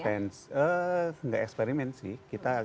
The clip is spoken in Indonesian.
eee enggak eksperimen sih